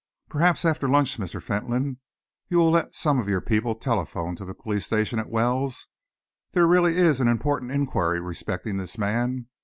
Perhaps after lunch, Mr. Fentolin, you will let some of your people telephone to the police station at Wells? There really is an important enquiry respecting this man.